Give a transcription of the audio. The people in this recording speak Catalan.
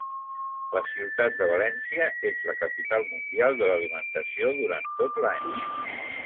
La ciutat de València és la Capital Mundial de l'Alimentació durant tot l'any.